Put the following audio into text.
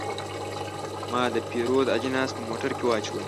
ما د پیرود اجناس په موټر کې واچول.